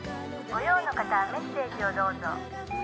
「ご用の方はメッセージをどうぞ」